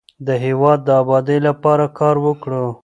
د هیواد د ابادۍ لپاره کار وکړو.